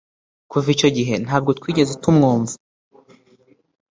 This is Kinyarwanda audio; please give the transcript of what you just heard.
Kuva icyo gihe ntabwo twigeze tumwumva